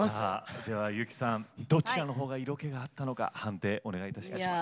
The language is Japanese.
では由紀さんどちらの方が色気があったのか判定お願いいたします。